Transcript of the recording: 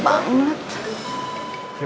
makasih kok lama banget